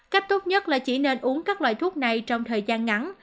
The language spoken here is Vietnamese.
cách tốt nhất là chỉ nên uống các loại thuốc này trong thời gian ngắn